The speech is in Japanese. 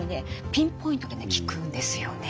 ピンポイントでね効くんですよね。